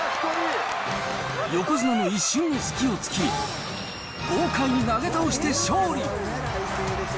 横綱の一瞬の隙をつき、豪快に投げ倒して勝利。